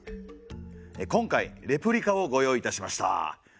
今回レプリカをご用意いたしました。